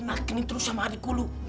kenakin terus sama adikku lu